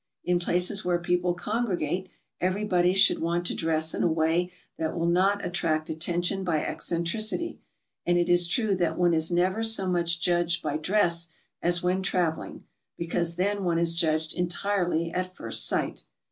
In places where people congregate, everybody should want to dress in a way that will not attract attention by eccentricity, and it is true that one is never so much judged by dress as when traveling, because then one is judged entirely at first sig*ht.